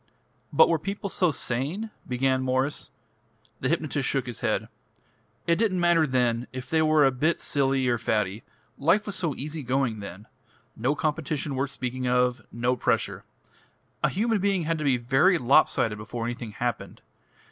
"But were people so sane ?" began Mwres. The hypnotist shook his head. "It didn't matter then if they were a bit silly or faddy. Life was so easy going then. No competition worth speaking of no pressure. A human being had to be very lopsided before anything happened.